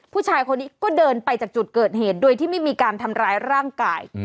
ผู้ชายคนนี้ก็เดินไปจากจุดเกิดเหตุโดยที่ไม่มีการทำร้ายร่างกาย